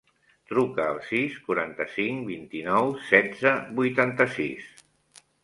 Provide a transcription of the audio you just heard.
Truca al sis, quaranta-cinc, vint-i-nou, setze, vuitanta-sis.